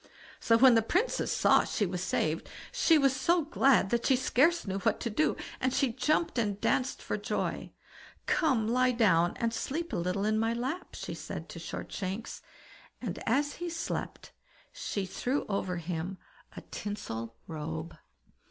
So when the Princess saw she was saved, she was so glad that she scarce knew what to do, and she jumped and danced for joy. "Come, lie down, and sleep a little in my lap", she said to Shortshanks, and as he slept she threw over him a tinsel robe.